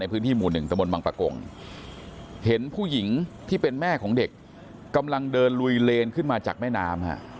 ในพื้นที่หมู่หนึ่งตมบังปะกง